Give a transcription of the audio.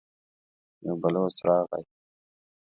يو بلوڅ راغی.